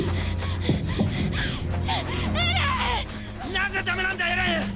なぜダメなんだエレン⁉